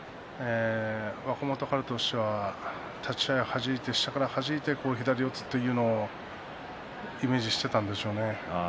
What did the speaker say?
若元春としては立ち合い、はじいて下からはじいて左四つというのをイメージしていたんでしょうね。